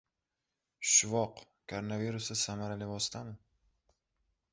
Shuvoq koronavirusda samarali vositami?